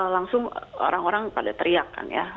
langsung orang orang pada teriakan ya